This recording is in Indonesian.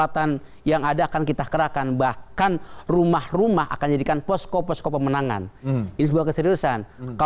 terima kasih pak